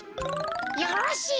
よろしい。